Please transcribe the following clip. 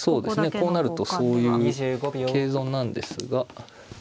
こうなるとそういう桂損なんですが。